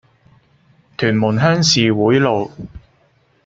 屯門鄉事會路